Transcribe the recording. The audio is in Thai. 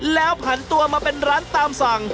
แล้วผันตัวมาเป็นร้านตามสั่ง